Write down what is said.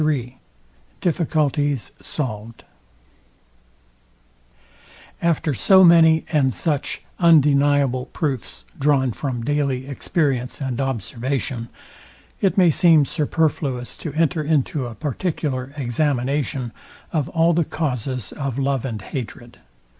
III DIFFICULTIES SOLVED After so many and such undeniable proofs drawn from daily experience and observation, it may seem superfluous to enter into a particular examination of all the causes of love and hatred.